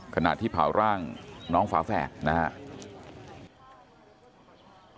ขณะที่เผาร่างน้องฝาแฝดนะครับ